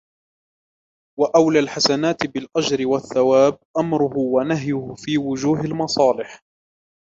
وَأَوْلَى الْحَسَنَاتِ بِالْأَجْرِ وَالثَّوَابِ أَمْرُهُ وَنَهْيُهُ فِي وُجُوهِ الْمَصَالِحِ